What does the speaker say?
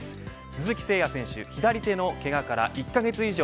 鈴木誠也選手、左手のけがから１カ月以上